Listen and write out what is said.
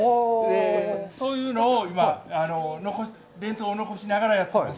そういうのを今、伝統を残しながらやっています。